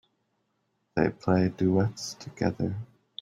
They play duets together.